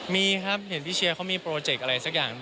มีครับเห็นพี่เชียร์เขามีโปรเจกต์อะไรสักอย่าง